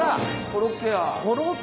コロッケ！